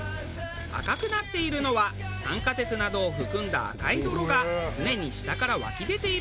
赤くなっているのは酸化鉄などを含んだ赤い泥が常に下から湧き出ているから。